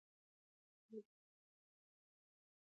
د پرزو تبدیلولو څرنګوالي او نور تخنیکي مهارتونه هم زده کول مهم دي.